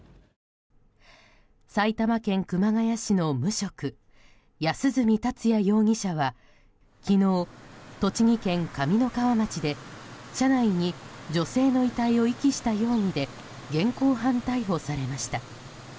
埼玉県熊谷市の無職安栖達也容疑者は昨日、栃木県上三川町で車内に女性の遺体を遺棄した容疑で現行犯逮捕されました。